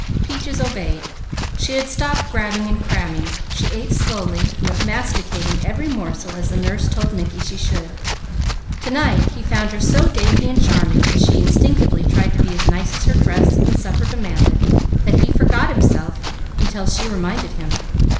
Peaches obeyed. She had stopped grabbing and cramming. She ate slowly, masticating each morsel as the nurse told Mickey she should. To night he found her so dainty and charming, as she instinctively tried to be as nice as her dress and supper demanded, that he forgot himself, until she reminded him.